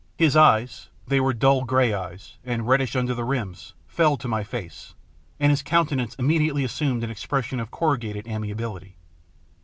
His eyes they were dull grey eyes, and reddish under the rims fell to my face, and his countenance immediately assumed an expression of corrugated amiability.